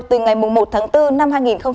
từ ngày một tháng bốn năm hai nghìn một mươi bảy